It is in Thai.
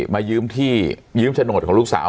มายืมที่ยืมโฉนดของลูกสาว